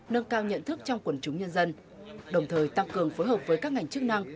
nâng cao nhận thức trong quần chúng nhân dân đồng thời tăng cường phối hợp với các ngành chức năng